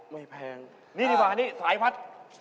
ไม่แพงนี่ดีกว่านี่สายวัด